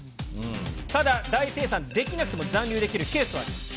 ただ、大精算できなくても、残留できるケースはあります。